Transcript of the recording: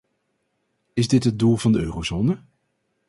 Is dit het doel van de eurozone?